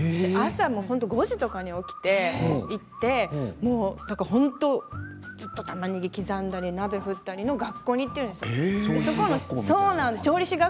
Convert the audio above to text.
朝は５時から起きて行って本当にずっとたまねぎを刻んだり鍋を振ったりの学校に行っているんです。